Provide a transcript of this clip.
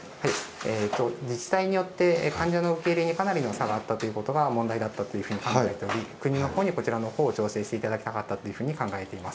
自治体によって患者の受け入れにかなりの差があったことが問題だったと考えており、国の方にこちらを調整していただきたかったと考えております。